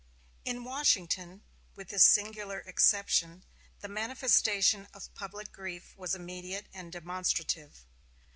In Washington, with this singular exception, the manifestation of public grief was immediate and demonstrative.